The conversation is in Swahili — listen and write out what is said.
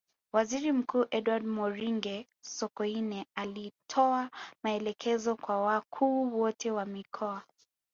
Waziri Mkuu Edward Moringe Sokoine alitoa maelekezo kwa wakuu wote wa mikoa